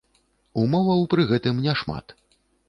Умоваў пры гэтым няшмат.